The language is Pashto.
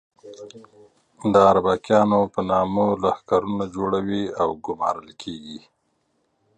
د اربکیانو په نامه لښکرونه جوړوي او ګومارل کېږي.